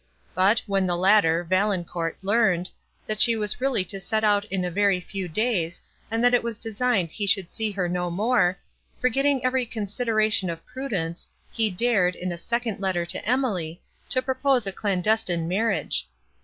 But when Valancourt learned that she was really to set out in a very few days, and that it was designed he should see her no more, forgetting every consideration of prudence, he dared, in a second letter to Emily, to propose a clandestine marriage.